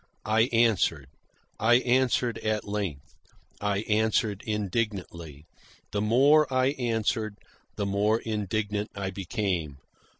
I answered. I answered at length. I answered indignantly. The more I answered, the more indignant I became.